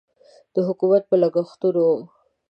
د حکومت په لګښتونو و.